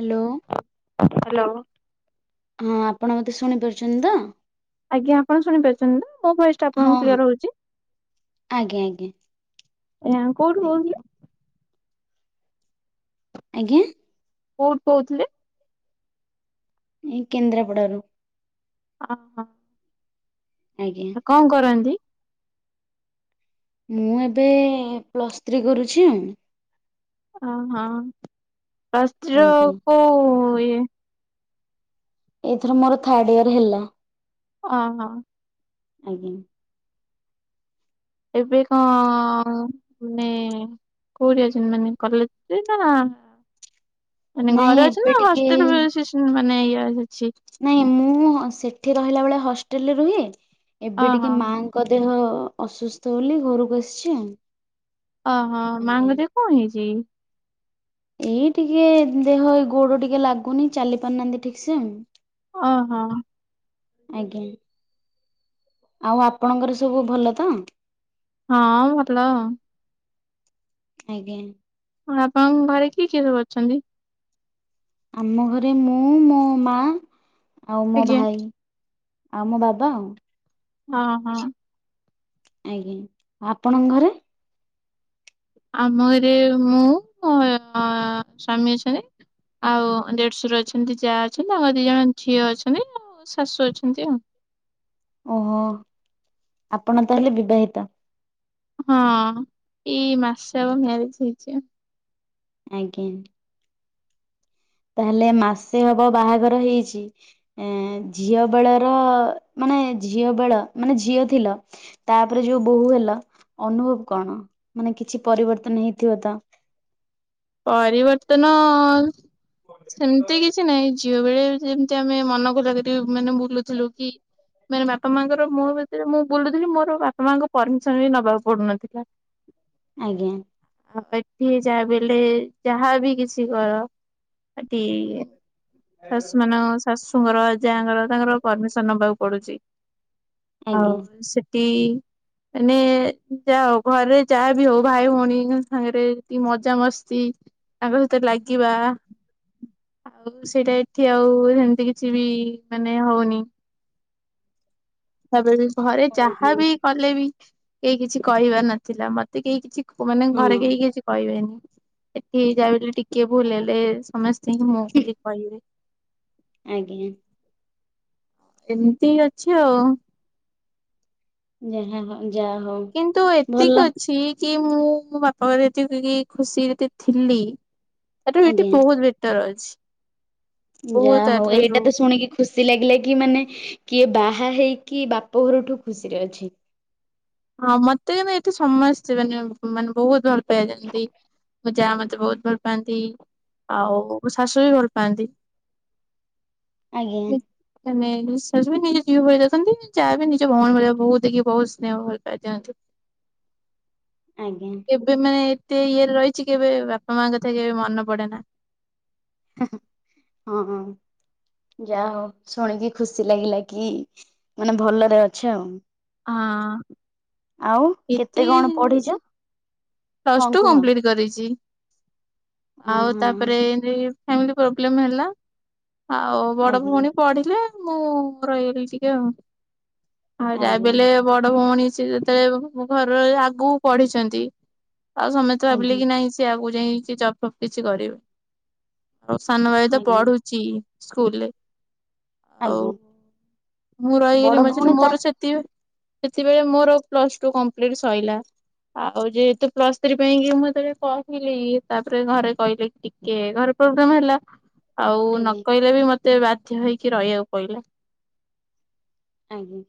Hello. Hello. ହଁ ଆପଣ ମତେ ଶୁଣି ପାରୁଛନ୍ତି ତ? ଆଜ୍ଞା ଆପଣ ଶୁଣି ପାରୁଛନ୍ତି ନା ମୋ ଭୟସ ଟା ହଁ ଆପଣଙ୍କୁ ହଁ କ୍ଲିୟର ହଉଛି। ଆଜ୍ଞା କୋଉଠୁ କହୁଥିଲେ? ଆଜ୍ଞା। କୋଉଠୁ କହୁଥିଲେ? ଏଇ କେନ୍ଦ୍ରାପଡାରୁ। ଅ- ଅ। ଆଜ୍ଞା। କଣ କରନ୍ତି? ମୁଁ ଏବେ ପ୍ଲସ୍ ଥ୍ରୀ କରୁଛି ଆଉ। ଓ ହଁ ପ୍ଲସ୍ ଥ୍ରି ର ଆଜ୍ଞା କୋଉ ଇଏ? ଏଇଥର ମୋର ଥାର୍ଡ ଇୟର ହେଲା। ଓ ହଁ। ଆଜ୍ଞା। ଏବେ କଣ ମାନେ କୋଉଠି ଅଛନ୍ତି, ମାନେ କଲେଜ୍ ରେ ନା ମାନେ ନାଇଁ ଘରେ ଅଛନ୍ତି ଏବେ ନା ଟିକେ ହଷ୍ଟେଲ [unintelligible] ମାନେ ଇଏ ଅଛି। ନାଇଁ ମୁଁ ସେଠି ରହିଲା ବେଳେ ହଷ୍ଟେଲରେ ରୁହେ, ଏବେ ଟିକେ ଓହୋ। ମା ଙ୍କ ଦେହ ଅସୁସ୍ଥ ବୋଲି ଘରକୁ ଆସିଛି ଆଉ। ଓ ହୋ ଆଜ୍ଞା ମାଙ୍କ ଦେହ କଣ ହେଇଛି କି? ଏଇ ଟିକେ ଦେହ ଏଇ ଗୋଡ ଟିକେ ଲାଗୁନି, ଚାଲି ପାରୁନାହାନ୍ତି ଠିକ୍ ସେ ଆଉ। ଓ ହୋ। ଆଜ୍ଞା ଆଉ ଆପଣଙ୍କର ସବୁ ଭଲ ତ? ହଁ ଭଲ ଆଉ। ଆଜ୍ଞା। ହଁ ଆପଣଙ୍କ ଘରେ କିଏ କିଏ ସବୁ ଅଛନ୍ତି? ଆମ ଘରେ ମୁଁ, ମୋ ମା ଆଉ ମୋ ଆଜ୍ଞା ଭାଇ ଆଉ ମୋ ବାବା ଆଉ। ହଁ- ହଁ। ଆଜ୍ଞା, ଆଉ ଆପଣଙ୍କ ଘରେ? ଆମ ଘରେ ମୁଁ, ମୋ ସ୍ୱାମୀ ଅଛନ୍ତି। ଆଉ ଦେଢଶର ଅଛନ୍ତି ଯା ଅଛନ୍ତି, ତାଙ୍କର ଦି ଜଣ ଝିଅ ଅଛନ୍ତି ଆଉ ମୋ ଶାଶୁ ଅଛନ୍ତି ଆଉ। ଓ ହୋ, ଆପଣ ତାହେଲେ ବିବାହିତା? ହଁ ଏଇ ମାସେ ହବ ମ୍ୟାରେଜ ହେଇଛି ଆଉ। ଆଜ୍ଞା। ତାହେଲେ ମାସେ ହବ ବାହାଘର ହେଇଛି। ଏଁ ଝିଅ ବେଳର, ମାନେ ଝିଅ ବେଳ ମାନେ ଝିଅ ଥିଲ ତାପରେ ଯୋଉ ବୋହୂ ହେଲ, ଅନୁଭବ କଣ ମାନେ କିଛି ପରିବର୍ତ୍ତନ ହେଇଥିବ ତ? ପରିବର୍ତ୍ତନ ସେମିତି କିଛି ନାହିଁ। ଝିଅ ବେଳେ ବି ଯେମିତି, ଆମେ ମନ ଖୋଲା କରି ମାନେ ବୁଲୁଥିଲୁ କି ମାନେ ବାପା ମାଙ୍କର ମୋ ଭିତରେ ମୁଁ ବୁଲୁଥିଲି, ମୋର ବାପା ମାଙ୍କ ପରମିସନ୍ ବି ନବାକୁ ପଡୁନଥିଲା। ଆଜ୍ଞା। ଆଉ ଏଠି ଯାହା ବି ହେଲେ, ଯାହା ବି କିଛି କର ଏଠି ଶାଶୁମାନ ଶାଶୁଙ୍କର ଯାଙ୍କର ତାଙ୍କର ପରମିସନ୍ ନବାକୁ ପଡୁଛି, ଆଉ ଆଜ୍ଞା। ସେ ଠି ହେଲେ ଯାହା ହଉ ଘରେ ଯାହା ବିି ହଉ, ଭାଇ ଭଉଣୀଙ୍କ ସାଙ୍ଗରେ ଟିକେ ମଜା ମଜାମସ୍ତି ତାଙ୍କ ସହିତ ଲାଗିବା ଆଉ ସେଇଟା, ଏଠି ଆଉ ସେମିତି କିଛି ବି ମାନେ ହଉନି। ତାପରେ ବି ଘରେ ଓହୋ। ଯାହା ବି କଲେ ବି, କେହି କିଛି କହିବାର ନଥିଲା। ମତେ କେହି କିଛି ମାନେ ହଁ ଘରେ କେହି କିଛି କହିବେନି, ଏଠି ଯାହା ବି ହେଲେ ଟିକେ ଭୁଲ ହେଲେ ସମସ୍ତେ ମୁଁ [unintelligible] କହିବି। ଆଜ୍ଞା। କେମିତି ଅଛ? ଯାହା ହଉ ଯାହା ହଉ। କିନ୍ତୁ ଭଲ ଏତିକି ଅଛି କି ମୁଁ ମୋ ବାପା ଘରେ ଯେତିକି ଖୁସିରେ ଥିଲି [unintelligible] ଏଠି ଆଜ୍ଞା। ବହୁତ୍ ବେଟର୍ ଅଛି। ବହୁତ ଯାହା ହଉ ତାଠାରୁ ଏଇଟା ତ ଶୁଣିକି ଖୁସିଲାଗିଲା କି ମାନେ କିଏ ବାହା ହେଇକି ବାପ ଘରଠୁ ଖୁସିରେ ଅଛି। ହଁ ମତେ [unintelligible] ଏଠି ସମସ୍ତେ ମାନେ ମାନେ ବହୁତ୍ ଭଲ ପାଇବା ଦିଅନ୍ତି। ମୋ ଜା ମତେ ବହୁତ୍ ଭଲ ପାଆନ୍ତି ଆଉ ମୋ ଶାଶୁ ବି ଭଲ ପାଆନ୍ତି। ଆଜ୍ଞା। ମାନେ ଶାଶୁ ବି ନିଜ ଝିଅ ଭଳି ଦେଖନ୍ତି ଜା ବି ନିଜ ଭଉଣୀ ଭଳିଆ ବହୁତ୍ ଦେଖି ବହୁତ୍ ସ୍ନେହ ଯାନ୍ତୁ। ଆଜ୍ଞା। କେବେ ମାନେ ଏତେ ଇଏରେ ରହିଛି କେବେ ବାପା ମା ଙ୍କ କଥା କେବେ ମନେ ପଡେନା। ହୁଁ ହୁଁ। ଯାହା ହଉ ଶୁଣିକି ଖୁସି ଲାଗିଲା କି ମାନେ ଭଲରେ ଅଛ ଆଉ। ହଁ ଆଉ କେତେ କଣ ପଢି଼ଛ? ପ୍ଲସ୍ ଟୁ କମ୍ପ୍ଲିଟ୍ କରିଚି ହଁ ଆଉ ହଁ ତାପରେ [unintelligible] ଫ୍ୟାମିଲି ପ୍ରୋବ୍ଲେମ୍ ହେଲା ଆଉ ବଡ଼ ଆଜ୍ଞା ଭଉଣୀ ପଢ଼ିଲେ ମୁଁ ରହିଗଲି ଟିକେ ଆଉ ଆଉ ଯାହାବି ଆଜ୍ଞା ହେଲେ ବଡ଼ ଭଉଣୀ ସେ ଯେତେବେଳେ ଘର ର ଆଗକୁ ପଢିଛନ୍ତି। ଆଉ ସମେତେ ଭାବିଲେ ଆଜ୍ଞା କି ନାଇଁ ସିଏ ଆଗକୁ ଯାଇ ଜବ୍ ଫବ୍ କିଛି କରିବ। ଆଉ ସାନ ଭାଇ ତ ଆଜ୍ଞା ପଢୁଛି ସ୍କୁଲ୍ ରେ। ଆଉ ଆଜ୍ଞା। ମୁଁ ରହିଗଲି ବଡ ମଝିରେ ଭଉଣୀ ତା ମୋର ସେ [unintelligible] ସେତବେଳେ ମୋର ପ୍ଲସ୍ ଟୁ କମ୍ପ୍ଲିଟ୍ ସଇଲା ଆଉ ଯେହେତୁ ପ୍ଲସ୍ ଥ୍ରୀ ପାଇଁ କି ମୁଁ ଯେତେବେଳେ କହିଲି ତାପରେ ଘରେ କହିଲେ ଟିକେ ଘରେ ପ୍ରୋବ୍ଲେମ୍ ହେଲା। ଆଉ ନ ଆଜ୍ଞା କହିଲେ ବି ମତେ ବାଧ୍ୟ ହେଇକି ରହିବାକୁ ପଇଲା। ଆଜ୍ଞା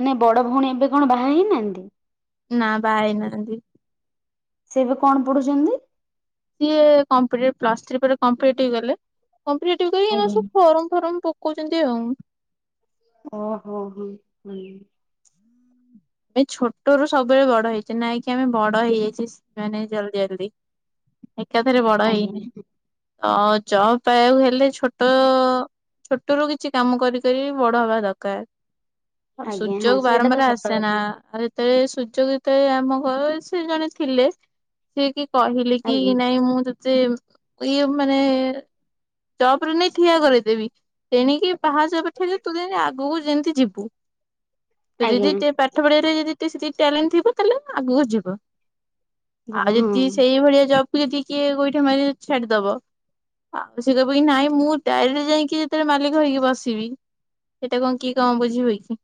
ମାନେ ବଡ଼ ଭଉଣୀ ଏବେ କଣ ବାହା ହେଇନାହାନ୍ତି? ନାଁ ବାହା ହେଇନାହାନ୍ତି। ସେ ଏବେ କଣ ପଢୁଛନ୍ତି? ସିଏ [unintelligible] ପ୍ଲସ୍ ଥ୍ରୀ ପରେ [unintelligible] ସବୁ ଆଜ୍ଞା ଫର୍ମ ଫର୍ମ ପ ପକଉଚନ୍ତି ଆଉ। ଓହୋ ହୋ ହୁଁ ହୁଁ। ଆମେ ଛୋଟରୁୁ ସବୁବେଳେ ବଡ଼ ହେଇଛେ ନାଇଁ କି ଆମେ ବଡ଼ ହେଇଯାଇଛେ ମାନେ ଜଲଦି ଜଲଦି। ଏକାଥରେ ବଡ଼ ଆଜ୍ଞା। ହେଇନି ତ ଜବ୍ ପାଇବାକୁ ହେଲେ ଛୋଟ ଛୋଟରୁୁ କିଛି କାମ କରିକରି ବଡ଼ ହବା ଦରକାର ଆଉ ଆଜ୍ଞା ହଁ ସୁଯୋଗ ସେଇଟା ତ ବାରମ୍ବାର ଆସେ ସତ କଥା ଥରେ ଯେତେବେଳେ ସୁଯୋଗ ଯେତେବେଳେ ଆମ ଘରେ ସେ ଜଣେ ଥିଲେ। ସିଏ କି କହିଲେ କି ଆଜ୍ଞା ନାଇଁ ମୁଁ ତତେ ଇଏ ମାନେ ଜବ୍ ରେ ନେଇ ଠିଆ କରେଇଦେବି ତେଣିକି ପାହାଚ [unintelligible] ତୁ ଯେମିତି ଆଗକୁ ଯେମିତି ଯିବୁ। [unintelligible] ଆଜ୍ଞା ପାଠ ପଢ଼ିବାରେ ଯଦି [unintelligible] ସେ ଟ୍ୟାଲେଣ୍ଟ୍ ଥିବ ତାହେଲେ ଆଗକୁ ଯିବ। ଆଉ ଯିବ ହଁ ଯଦି ସେଇଭଳିଆ ଜବ୍ କୁ ଯଦି କିଏ ଗୋଇଠା ମାରି ଛାଡି଼ଦବ। ସେ କହିବ କି ନାଇଁ ମୁଁ ଡାଇରେକ୍ଟ୍ ଯାଇକି ଯେତେବେଳେ ମାଲିକ ହେଇକି ବସିବି। ସେଇଟା କଣ କି କଣ ବୁଝିବେ କି।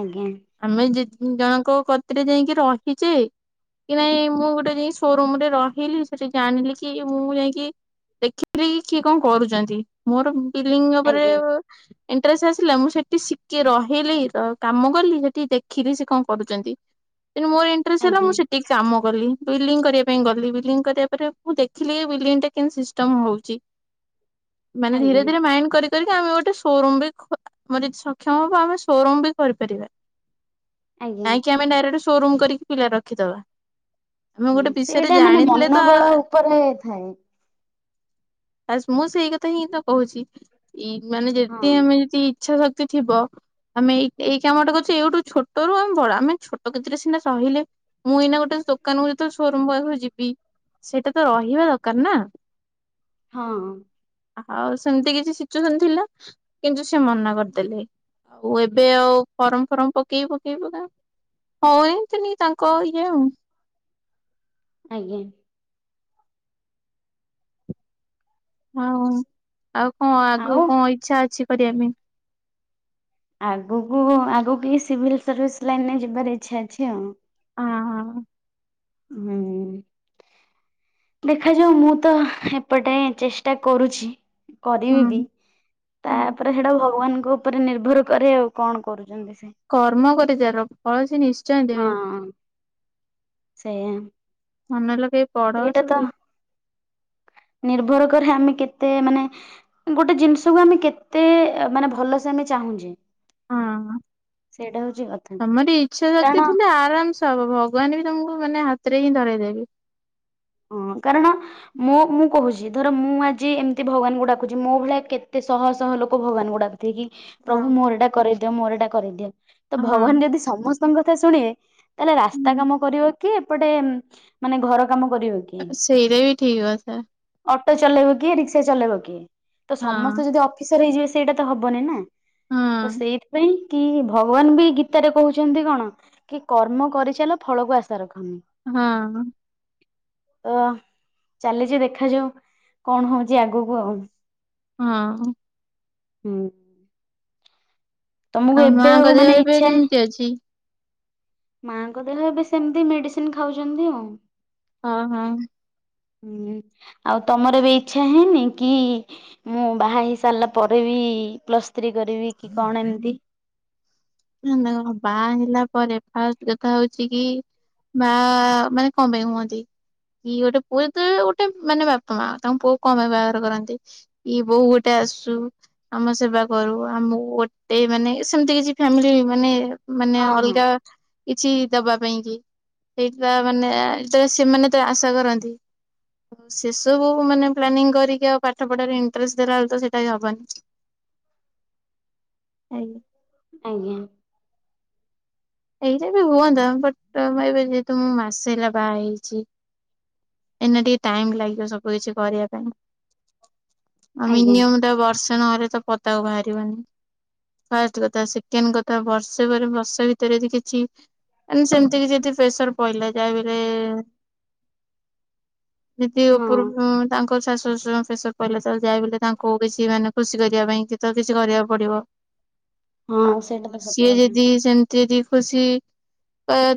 ଆଜ୍ଞା। ଆମେ [unintelligible] ଜଣଙ୍କ କତିରେ ଯାଇକି ରହିଛେ କି ନାଇଁ ମୁଁ ଗୋଟେ ଯାଇ ଶୋ ରୁମ୍ ରେ ରହିଲି ସେଠି ଜାଣିଲି କି ମୁଁ ଯାଇକି [unintelligible] କିଏ କଣ କରୁଛନ୍ତି ମୋର ପିଲିଙ୍ଗ୍ ଉପରେ ଆଜ୍ଞା ଇଣ୍ଟେରେଷ୍ ଆସିଲା ମୁଁ ସେଠି ଶିଖେ ରହିଲି କାମ କଲି ସେଠି ଦେଖିଲି ସେ କଣ କରୁଚନ୍ତି। କିନ୍ତୁ ମୋର ଇଣ୍ଟେଷ୍ ହେଲା ମୁଁ ଆଜ୍ଞା ସେଠି କାମ କଲି ବିଲିଂ କରିବା ପାଇଁ ଗଲି ବିଲିଂ କରିବା ପରେ ମୁଁ ଦେଖିଲି ବିଲିଂ ଟା କେମିତି ସିଷ୍ଟମ୍ ହଉଛି। ଚି ମାନେ ଧୀରେ ଆଜ୍ଞା ଧୀରେ ମାଇଣ୍ଡ୍ କରି କରିକା ଆମେ ଗୋଟେ ସୋରୁମ ବି ଖୋ ଆମର ଜଦି ସକ୍ଷମ ହବ ଆମେ ସୋରୁମ ବି କରିପାରିବା। ଆଜ୍ଞା ନାଇଁକି ଆମେ ଡାଇରେକ୍ଟ୍ ସୋରୁମ୍ କରିକି ପିଲା ରଖିଦବା। ଆମେ ଗୋଟେ ଉଁ ବିଷୟରେ ସେଇଟା ମାନେ ଜାଣିଥିଲେ ତ ମନବଳ ଉପରେ ଥାଏ। ବାସ ମୁଁ ସେଇ କଥା ହିଁ ତ କହୁଛି ଇ ମାନେ ହଁ ଯଦି ଆମେ ଯଦି ଇଛା ଶକ୍ତି ଥିବ। ଆମେ ଏଇ ଏଇ କାମଟା କରୁଛେ ଏଇଠୁ ଛୋଟରୁ ଆମେ ବଡ ଆମେ ଛୋଟ ଖେତିରେ ସିନା ସହିଲେ। ମୁଁ ଏଇନା ଗୋଟେ ଦୋକାନକୁ ଯେତେବେଳେ ସୋରୁମ ପାଖକୁ ଯିବି ସେଇଟା ତ ରହିବା ଦରକାର ନା। ହଁ। ଆଉ ସେମିତି କିଛି ସିଚୁଏସନ ଥିଲା କିନ୍ତୁ ସେ ମନା କରିଦେଲେ। ଆଉ ଏବେ ଆଉ ଫରମ ଫରମ ପକେଇ ପକେଇ ପକା ହୁ ଏନତିନି ତାଙ୍କ ଇଏ ଆଉ। ଆଜ୍ଞା। ହଁ ଆଉ କଣ ଆଗକୁ ଆଉ କଣ ଇଚ୍ଛା ଅଛି କରିବା ପାଇଁ? ଆଗକୁ ଆଗକୁ ସିଭିଲ୍ ସର୍ଭିସ୍ ଲାଇନ ରେ ଯିବାର ଇଛା ଅଛି ଆଉ। ହଁ ହଁ। ହୁଁ। ଦେଖାଯାଉ ମୁଁ ତ ଏପଟେ ଚେଷ୍ଟା କରୁଛି। ହଁ କରିବି ହୁଁ ବି ହୁଁ। ତାପରେ ସେଟା ଭଗବାନଙ୍କ ଉପରେ। ଉପରେ ନିର୍ଭର କରେ ଆଉ କଣ କରୁଛନ୍ତି ସେ। କର୍ମ କରିଚାଲ ଫଳ ସେ ନିଶ୍ଚୟ ହଁ ଦେବେ। ସେଇଆ। ମନ ଲଗେଇ। ପଢ ସେଇଟା ତ ନିର୍ଭର କରେ ଆମେ କେତେ ମାନେ। ଗୋଟେ ଜିନିଷକୁ ଆମେ କେତେ ମାନେ ଭଲସେ ଆମେ ଚାହୁଁଛେ। ହଁ ସେଇଟା ହଉଛି କଥା। ତମରି ଇଚ୍ଛା କାରଣ ଶକ୍ତି ଥିଲେ ଆରାମ ସେ। ସବୁ ଭଗବାନ ବି ତମକୁ ମାନେ ହାତରେ ହିଁ ଧରେଇ ଦେବେ। ହଁ କାରଣ‌। ମୋ ମୁଁ କହୁଛି ଧର ମୁଁ ଆଜି ଏମିତି ଭଗବାନ ଙ୍କୁ ଡାକୁଛି ମୋ ଭଳିଆ କେତେ ଶହ ଶହ ଲୋକ ଭଗବାନଙ୍କୁୁ ଡାକୁ ଛନ୍ତି କି ହଁ। ପ୍ରଭୁ ମୋର ଏଇଟା କରେଇ ଦିଅ ମୋର ଏଇଟା କରେଇଦିଅ ତ ହଁ ଭଗବାନ ଯଦି ସମସ୍ତେ। ଙ୍କ କଥା ଶୁଣିବେ ତାହେଲେ ରାସ୍ତା କାମ କରିବ କିଏ ଏପଟେ ମାନେ ଘର କାମ କରିବ। କିଏ? ସେଇଟା ବି ଠିକ କଥା। ଅଟୋ ଚଲେଇବ କିଏ ରିକ୍ସା ଚଲେଇବ କିଏ ତ ହଁ ସମସ୍ତେ ଯଦି ଅଫିସର ହେଇଯିବେ ସେଇଟା ତ ହବନି ନା। ତ ହଁ। ସେଇଥିପାଇଁ। କି ଭଗବାନ ବି ଗୀତାରେ କହୁଛନ୍ତି କଣ କି କର୍ମ କରିଚାଲ ଫଳକୁ ଆଶା ରଖନି। ହଁ। ଏଆ ଚାଲିଛି ଦେଖାଯାଉ କଣ ହଉଛି ଆଗକୁ ଆଉ। ହଁ। ହୁଁ। ତମକୁ ଆଉ ଏବେ ମାଆଙ୍କ ଦେହ ମାନେ ଏବେ କେମିତି ଅଛି? ମାଆଙ୍କ ଦେହ ଏବେ ସେମତି ମେଡିସିନ ଖାଉଛନ୍ତି ଆଉ। ହଁ ହଁ। ହୁଁ ଆଉ ତମର ବି ଇଛା ହେଇନି କି ମୁଁ ବାହା ହେଇ ସାରିଲା ପରେ ବି ପ୍ଲସ ଥ୍ରୀ କରିବି କି କଣ ଏମିତି। ଦେଖନ୍ତୁ ବାହା ହେଲା ପରେ ଫାଷ୍ଟ କଥା ହଉଚ କି। ବାଆ ମାନେ କଣ ପାଇଁ ହୁଅନ୍ତି? କି ଗୋଟେ ପୁଅ କି ଜେ ଗୋଟେ ମାନେ ବାପା ମା ତାଙ୍କୁ ପୁଅକୁ କଁ ପାଇଁ ବାହାଘର କରନ୍ତି? କି ବୋହୁ ଗୋଟେ ଆସୁ ଆମ ସେବା କରୁ ଆମକୁ ଗୋଟେ ମାନେ ସେମତି କିଛି। ଫ୍ୟାମିଲି ମାନେ ମାନେ ହଁ ହଁ ଅଲଗା କିଛି ଦବା ପାଇଁ କି ସେଇଟା ମାନେ ଯେତେବେଳେ ସେମାନେ ଯେତେବେଳେ ଆଶା କରନ୍ତି। ସେସବୁ ମାନେ ପ୍ଲାନିଂ କରିକି ଆଉ ପାଠ ପଢାରେ ଇଣ୍ଟରେଷ୍ଟ ଦେଲାବେଳେ ତ ସେଇଟା ହି ହବନି। ଆଜ୍ଞା। ଆଜ୍ଞା। ଏଇଟା ବି ହୁଅନ୍ତା ବଟ୍ ମୁଁ ଏବେ ଯେହେତୁ ମୁଁ ମାସେ ହେଲା ବାହା ହେଇଛି ଏନା ଟିକେ ଟାଇମ ଲାଗିବ ସବୁ କିଛି କରିବା ପାଇଁ। ଆଉ ଆଜ୍ଞା ମିନିମମ୍ ଟା ବର୍ଷେ ତାଙ୍କ ଘରେ ତ ପଦାକୁ ବାହାରିବନି। ଫାଷ୍ଟ କଥା ସେକେଣ୍ଡ କଥା ବର୍ଷେ ପରେ ବର୍ଷ ଭିତରେ ଯଦି କିଛି ମାନେ ସେମିତି କିଛି ଯଦି ପ୍ରେସର ପଇଲା ଯାହାବି ହେଲେ ଯଦି ହଁ ଉପରୁ ତାଙ୍କର ଶାଶୁ ଶ୍ୱଶୁରଙ୍କୁ ପ୍ରେସର ପଇଲା ତାହେଲେ ଯାହା ବି ହେଲେ ତାଙ୍କୁ କିଛି ମାନେ ଖୁସି କରିବା ପାଇଁ କି ତ କିଛି କରିବାକୁ ପଡିବ। ହଁ ସେଇଟା ଆଉ ତ ସତ ସିଏ କଥା ଯଦି ସେମତି ଦି ଖୁସି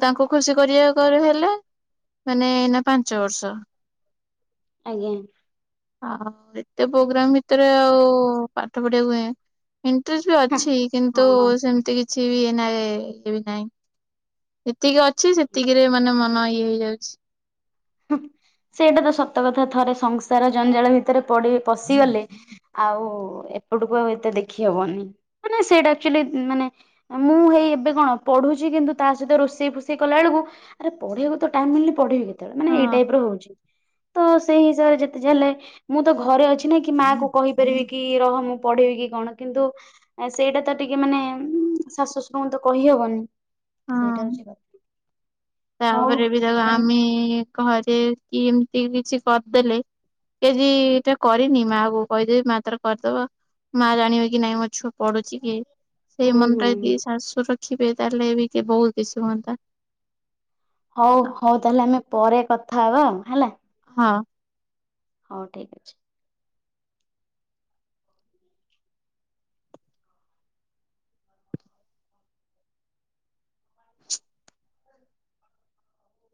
ତାଙ୍କୁ ଖୁସି କରିବାକୁ ହେଲେ ମାନେ ଏଇନା ପା ପାଞ୍ଚ ବର୍ଷ। ଆଜ୍ଞା। ଆଉ ଏତେ ପ୍ରୋଗ୍ରାମ ଭିତରେ ଆଉ ପାଠ ପଢିବାକୁ ଏଁ ଇଣ୍ଟରେଷ୍ଟ ବି ଅଛି ହଁ କିନ୍ତୁ ହଁ। ସେମତି କିଛି ବି ଇଏ ବି ନାହିଁ। ଯେତିକି ଅଛି ସେତିକି ରେ ମାନେ ମନ ଇଏ ହେଇଯାଉଛି। ସେଇଟା ତ ସତ କଥା ଥରେ ସଂସାର ଜଞ୍ଜାଳ ଭିତରେ ପଡି ପଶିଗଲେ ଆଉ ଏପଟକୁ ଆଉ ଏତେ ଦେଖି ହବନି। ମାନେ ସେଇଟା ଆକ୍ଚୁଲି ମାନେ ମୁଁ ହେଇ ଏବେ କଣ ପଢୁଛି କିନ୍ତୁ ତା ସହିତ ରୋଷେଇ ଫୋଷେଇ କଲା ବେଳକୁ ଆରେ ପଢ଼ିବାକୁ ତ ଟାଇମ ମିଲୁକନି ପଢିବି କେତେବେଳେ ମାନେ ଏଇ ହଁ। ଟାଇପର ହୋଉଛି। ତ ସେଇ ହିସାବରେ ଯେତେ ଯାହେଲେ ମୁଁ ତ ଘରେ ଅଛି ନା କି ମା କୁ କହିପାରିବି କି ରହ ମୁଁ ପଢେଇବି କି କଣ କିନ୍ତୁ ଆ ସେଇଟା ତ ଟିକେ ମାନେ ଶାଶୁ ଶଶୁରଙ୍କୁ ତ କହିହବନି। ସେଇଟା ହଁ ହୋଉଛି କଥା। ହଉ ତାପରେ ବି ତାକୁ ତାହେଲେ ଆମେ ଘରେ କି ଏମିତି କିଛି କରିଦେଲେ କେଜିି ଏଟା କରିନି ମା କୁ କହିଦେବି ମା ତାର କରିଦବ। ମା ଜାଣିବେ କି ନାଇ ମୋ ଛୁଆ ପଡୁଛି କି ହୁଁ ସେଇ ମନ ହୁଁ ଟା ହୁଁ ଯଦି ଶାଶୁ ରଖିବେ ତାହେଲେ ବିିକେ ବହୁତ କିଛି ହୁଅନ୍ତା। ହୋଉ ହୋଉ ତାହେଲେ ଆମେ ପରେ କଥା ହବା ହେଲା। ହଁ। ହୋଉ ଠିକ୍ ଅଛି।